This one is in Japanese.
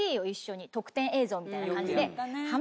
みたいな感じで。